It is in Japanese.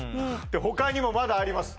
他にもまだあります